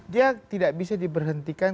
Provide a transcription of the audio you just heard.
dia tidak bisa diberhentikan